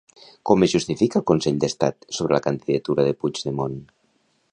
Com es justifica el Consell d'Estat sobre la candidatura de Puigdemont?